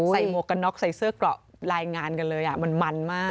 หมวกกันน็อกใส่เสื้อเกราะรายงานกันเลยมันมันมาก